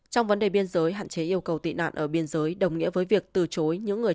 trong vấn đề biên giới hạn chế yêu cầu tị nạn ở biên giới đồng nghĩa với việc từ chối những người